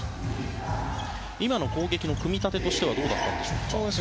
今の攻撃の組み立てとしてはどうだったんでしょうか。